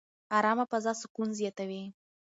ارامه فضا سکون زیاتوي.